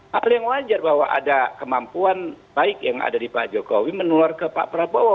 hal yang wajar bahwa ada kemampuan baik yang ada di pak jokowi menular ke pak prabowo